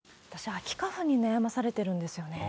秋花粉に悩まされてるんですよね。